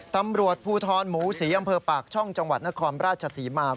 ตำรวจภูทรหมูศรีอำเภอปากช่องจังหวัดนครราชศรีมา